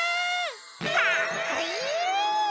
かっこいい！